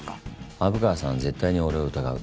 虻川さんは絶対に俺を疑う。